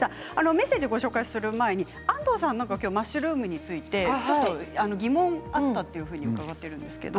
メッセージの前に、安藤さんマッシュルームについて疑問があったというふうに伺っています。